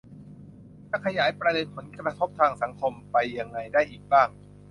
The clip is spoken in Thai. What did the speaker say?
จะขยายประเด็นผลกระทบทางสังคมไปยังไงได้อีกบ้าง